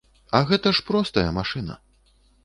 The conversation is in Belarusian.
А гэта ж простая машына!